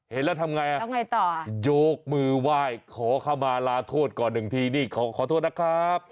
เห็นแล้วทำไงต่อยกมือไหว้ขอเข้ามาลาโทษก่อนหนึ่งทีนี่ขอโทษนะครับ